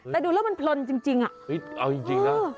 แต่ดูแล้วมันพลนจริงจริงอ่ะเอ้ยเอาจริงจริงน่ะ